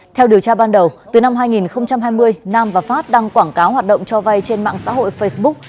theo điều tra ban đầu từ năm hai nghìn hai mươi nam và phát đăng quảng cáo hoạt động cho vay trên mạng xã hội facebook